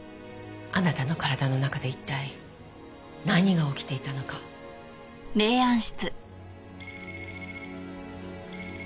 あなたの体の中で一体何が起きていたのかを。